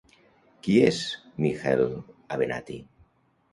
Qui és Michael Avenatti?